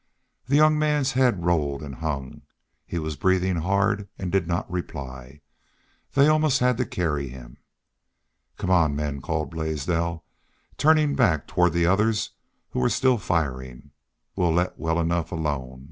The young man's head rolled and hung. He was breathing hard and did not reply. They had almost to carry him. "Come on, men!" called Blaisdell, turning back toward the others who were still firing. "We'll let well enough alone....